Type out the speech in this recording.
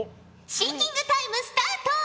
シンキングタイムスタート！